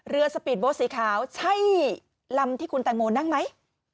สปีดโบสต์สีขาวใช่ลำที่คุณแตงโมนั่งไหม